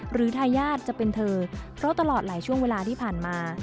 ทายาทจะเป็นเธอเพราะตลอดหลายช่วงเวลาที่ผ่านมา